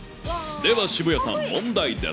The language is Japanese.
では、渋谷さん、問題です。